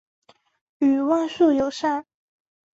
与万树友善。